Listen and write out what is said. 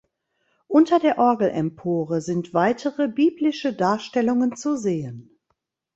Unter der Orgelempore sind weitere biblische Darstellungen zu sehen.